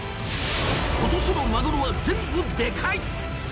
今年のマグロは全部デカい！